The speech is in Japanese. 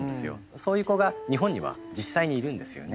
そういう子が日本には実際にいるんですよね。